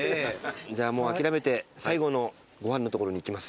じゃもう諦めて最後のご飯の所に行きます。